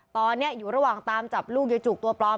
ตอนนี้อยู่ระหว่างตามจับลูกยายจุกตัวปลอม